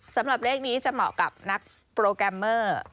สำหรับเลขนี้จะเหมาะกับนักโปรแกรมเมอร์